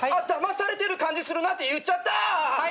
だまされてる感じするなぁって言っちゃったぁ！